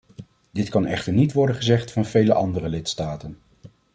Dit kan echter niet worden gezegd van vele andere lidstaten.